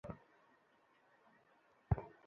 খুব খুশি হলাম।